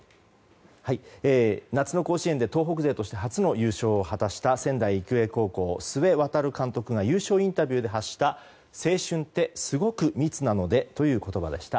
夏の甲子園で東北勢として初の優勝を果たした仙台育英高校の須江航監督が優勝インタビューで発した「青春って、すごく密なので」という言葉でした。